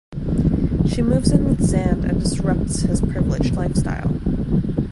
She moves in with Zand and disrupts his privileged lifestyle.